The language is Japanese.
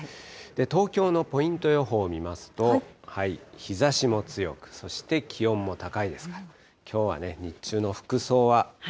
東京のポイント予報を見ますと、日ざしも強く、そして気温も高いですから、きょうは日中の服装は。